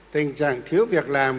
tình trạng thiếu việc làm